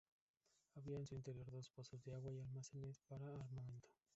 Había en su interior dos pozos de agua y almacenes para armamento.